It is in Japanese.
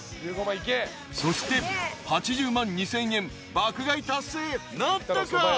［そして８０万２，０００円爆買い達成なったか？］